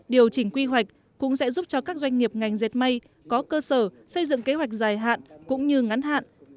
điều chỉnh quy hoạch cũng sẽ giúp cho các doanh nghiệp ngành dệt may có cơ sở xây dựng kế hoạch dài hạn cũng như ngắn hạn